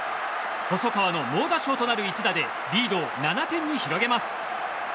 細川の猛打賞となる一打でリードを７点に広げます。